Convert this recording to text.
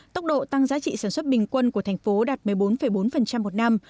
tốc độ tăng giá trị sản xuất bình quân của thành phố đạt một mươi bốn bốn một năm